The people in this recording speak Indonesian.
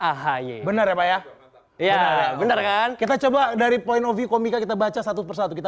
ahy benar ya pak ya iya bener kan kita coba dari point of vie komika kita baca satu persatu kita